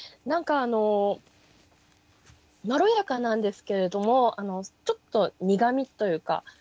何かあのまろやかなんですけれどもちょっと苦みというか